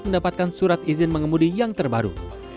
mendapatkan surat izin mengemudi yang terbaru